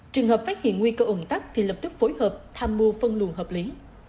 trường hợp phát hiện nguy cơ ủng tắc thì lập tức phối hợp tham mưu phân luận hợp lý